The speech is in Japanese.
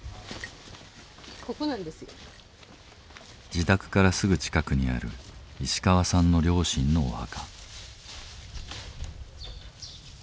自宅からすぐ近くにある石川さんの両親のお墓。